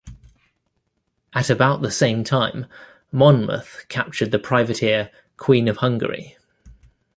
At about the same time "Monmouth" captured the privateer "Queen of Hungary".